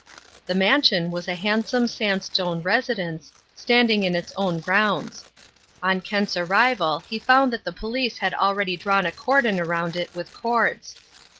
The mansion was a handsome sandstone residence, standing in its own grounds. On Kent's arrival he found that the police had already drawn a cordon around it with cords.